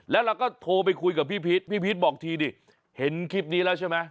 แล้วเราก็โทรไปคุยกับพี่พีชพี่พีชบอกทีดิเห็นคลิปนี้แล้วใช่ไหม